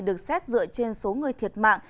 được xét dựa trên số người thiệt mạng